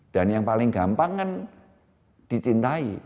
dan yang paling gampang kan dicintai